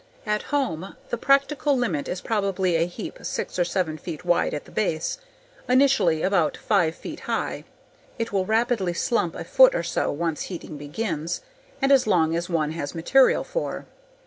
At home the practical limit is probably a heap six or seven feet wide at the base, initially about five feet high (it will rapidly slump a foot or so once heating begins), and as long as one has material for.